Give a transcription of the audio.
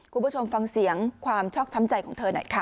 คุณผู้ชมฟังเสียงความชอกช้ำใจของเธอหน่อยค่ะ